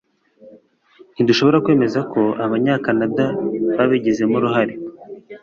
Ntidushobora kwemeza ko Abanyakanada babigizemo uruhare